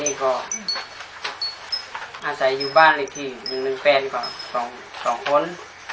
นี่ก็อาจจะอยู่บ้านอีกที๑นึงแฟนกับ๒คน